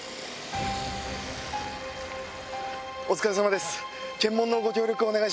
お疲れさまです。